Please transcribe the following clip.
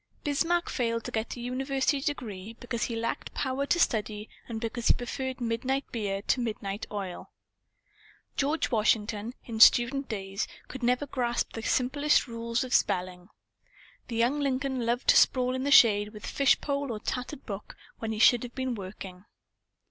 Bismarck failed to get a University degree, because he lacked power to study and because he preferred midnight beer to midnight oil. George Washington, in student days, could never grasp the simplest rules of spelling. The young Lincoln loved to sprawl in the shade with fish pole or tattered book, when he should have been working.